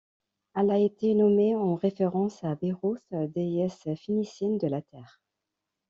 Elle a été nommée en référence à Beruth, déesse phénicienne de la Terre.